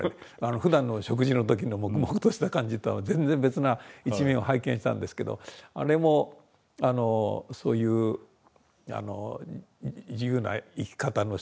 ふだんの食事の時の黙々とした感じとは全然別な一面を拝見したんですけどあれもそういう自由な生き方の一つのあらわれですかね。